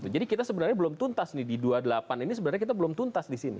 jadi kita sebenarnya belum tuntas di dua puluh delapan ini sebenarnya kita belum tuntas di sini